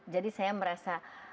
jadi saya merasa